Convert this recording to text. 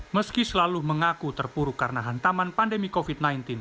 meski selalu mengaku terpuruk karena hantaman pandemi covid sembilan belas